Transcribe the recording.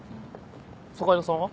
坂井戸さんは？